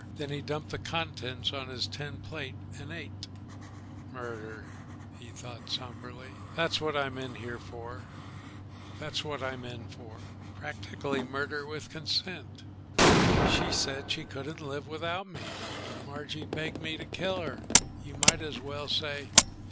Then he dumped the contents on his tin plate and ate. "Murder," he thought somberly. "That's what I'm in for. Practically murder with consent. She said she couldn't live without me. Margie begged me to kill her, you might as well say.